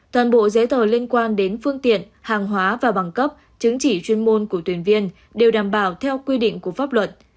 toàn bộ giấy tờ liên quan đến phương tiện hàng hóa và bằng cấp chứng chỉ chuyên môn của thuyền viên đều đảm bảo theo quy định của pháp luật